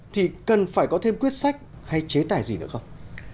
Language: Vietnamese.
thì cần phải có thêm quyết sách hay chế tài gì nữa không